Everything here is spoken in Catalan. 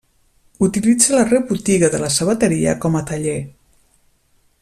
Utilitza la rebotiga de la sabateria com a taller.